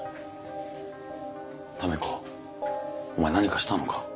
試子お前何かしたのか？